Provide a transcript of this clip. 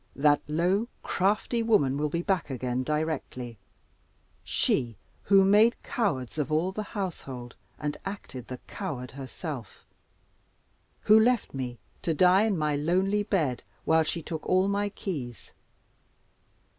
That low, crafty woman will be back again directly she who made cowards of all the household, and acted the coward herself, who left me to die in my lonely bed, while she took all my keys.